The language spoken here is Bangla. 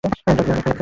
জর্জিয়া, অনেক হয়েছে।